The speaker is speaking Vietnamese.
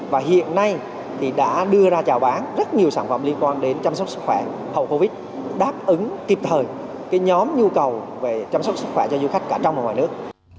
và hiện nay thì đã đưa ra trào bán rất nhiều sản phẩm liên quan đến chăm sóc sức khỏe hậu covid đáp ứng kịp thời cái nhóm nhu cầu về chăm sóc sức khỏe cho du khách cả trong và ngoài nước